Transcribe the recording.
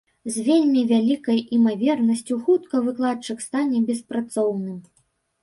З вельмі вялікай імавернасцю хутка выкладчык стане беспрацоўным.